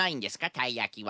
たいやきは。